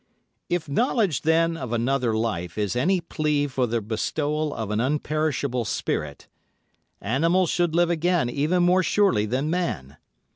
If knowledge, then, of another life is any plea for the bestowal of an unperishable spirit, animals should live again even more surely than man.